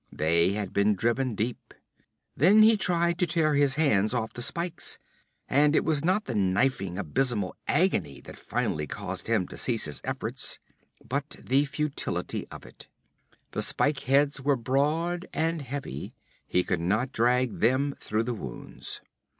They had been driven deep. Then he tried to tear his hands off the spikes, and it was not the knifing, abysmal agony that finally caused him to cease his efforts, but the futility of it. The spike heads were broad and heavy; he could not drag them through the wounds.